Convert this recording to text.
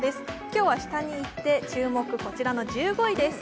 今日は下に行って、注目こちらの１５位です。